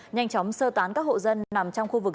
nhanh chóng sơ tán các hộ dân nằm trong khu vực